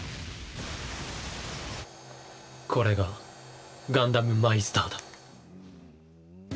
これがガンダムマイスターだ。